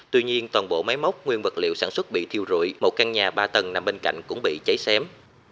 tuy nhiên toàn bộ máy móc nguyên vật liệu sản xuất bị thiêu rụi một căn nhà ba tầng nằm bên cạnh cũng bị cháy xém